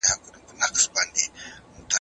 ملکیت انسان ته د ژوند په چارو کي ثبات ورکوي.